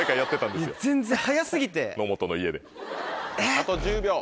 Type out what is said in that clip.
あと１０秒。